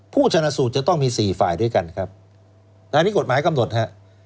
ผู้ชนะสูตรจะต้องมีสี่ฝ่ายด้วยกันครับอันนี้กฎหมายกำหนดฮะ